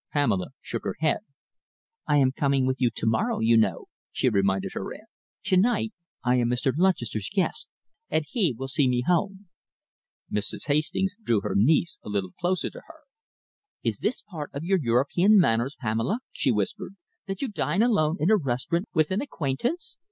Pamela shook her head. "I am coming with you to morrow, you know," she reminded her aunt. "To night I am Mr. Lutchester's guest and he will see me home." Mrs. Hastings drew her niece a little closer to her. "Is this part of your European manners, Pamela?" she whispered, "that you dine alone in a restaurant with an acquaintance?